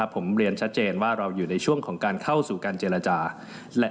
ผมเรียนชัดเจนว่าเราอยู่ในช่วงของการเข้าสู่การเจรจา